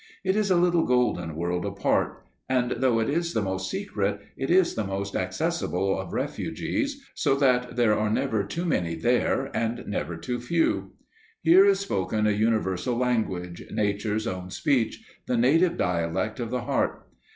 It is a little golden world apart, and though it is the most secret, it is the most accessible of refugees, so that there are never too many there, and never too few. Here is spoken a universal language, Nature's own speech, the native dialect of the heart.